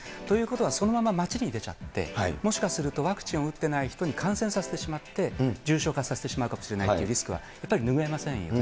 そのまま街に出ちゃって、もしかするとワクチンを打っていない人に感染させてしまって重症化させてしまうかもしれないというリスクはやっぱり拭えませんよね。